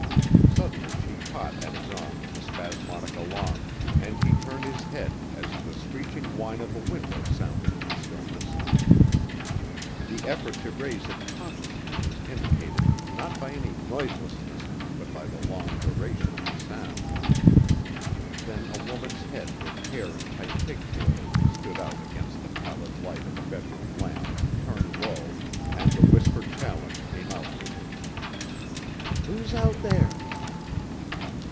Suddenly she caught at his arm with a spasmodic alarm, and he turned his head as the screeching whine of a window sounded in the stillness. The effort to raise it cautiously was indicated not by any noiselessness but by the long duration of the sound. Then a woman's head with hair in tight pigtails stood out against the pallid light of a bedroom lamp, turned low, and the whispered challenge came out to them. "Who's out there?"